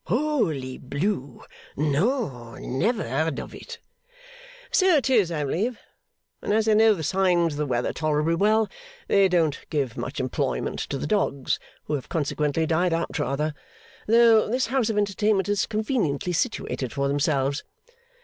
'Holy blue! No; never heard of it.' 'So it is, I believe. And as they know the signs of the weather tolerably well, they don't give much employment to the dogs who have consequently died out rather though this house of entertainment is conveniently situated for themselves.